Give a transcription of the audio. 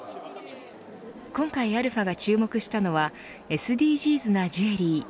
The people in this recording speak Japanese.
今回、αが注目したのはＳＤＧｓなジュエリー。